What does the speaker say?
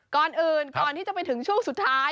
ก่อนอื่นก่อนที่จะไปถึงช่วงสุดท้าย